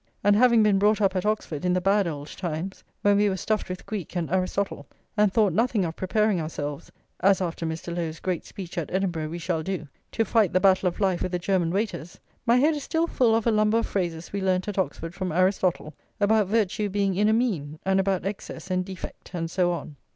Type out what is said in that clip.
And having been brought up at Oxford in the bad old times, when we were stuffed with Greek and Aristotle, and thought nothing of preparing ourselves, as after Mr. Lowe's great speech at Edinburgh we shall do, to fight the battle of life with the German waiters, my head is still full of a lumber of phrases we learnt at Oxford from Aristotle, about virtue being in a mean, and about excess and defect, and so on.